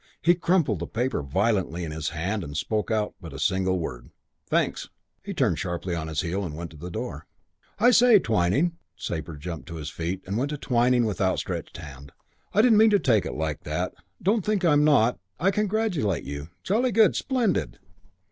He crumpled the paper violently in his hand and spoke also but a single word, "Thanks!" He turned sharply on his heel and went to the door. "I say, Twyning!" Sabre jumped to his feet and went to Twyning with outstretched hand. "I didn't mean to take it like that. Don't think I'm not I congratulate you. Jolly good. Splendid.